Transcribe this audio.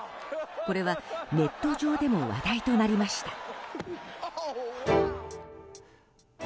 これは、ネット上でも話題となりました。